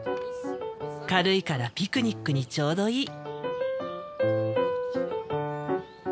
軽いからピクニックにちょうどいい。